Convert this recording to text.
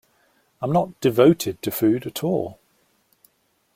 I am not devoted to food at all.